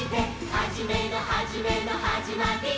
「はじめのはじめのはじまりの」